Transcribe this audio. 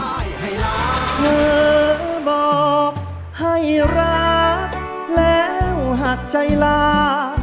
เธอบอกให้รักแล้วหักใจลา